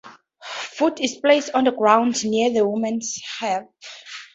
Food is placed on the ground near the woman’s hut.